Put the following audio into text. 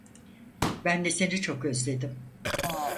Ben de seni çok özledim.